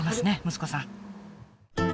息子さん。